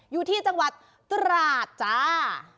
อยู่ที่จังหวัดตราดจ้า